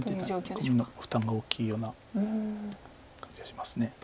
コミの負担が大きいような感じがします。